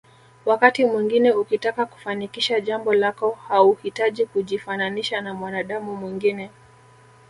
Wakati mwingine ukitaka kufanikisha jambo lako hauhitaji kujifananisha na mwanadamu mwingine